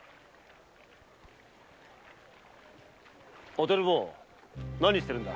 おてる坊何してるんだ？